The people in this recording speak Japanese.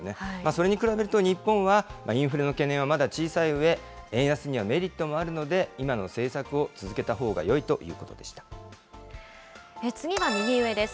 それに比べると、日本はインフレの懸念はまだ小さいうえ、円安にはメリットもあるので、今の政策を続けたほうがよいということで次は右上です。